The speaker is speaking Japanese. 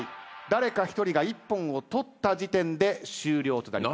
誰か１人が一本を取った時点で終了となります。